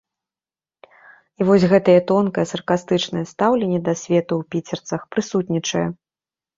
І вось гэтае тонкае саркастычнае стаўленне да свету ў піцерцах прысутнічае.